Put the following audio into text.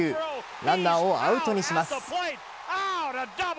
ランナーをアウトにします。